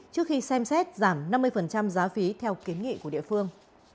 trước khi xem xét giảm năm mươi giá phí theo kiến nghị của địa phương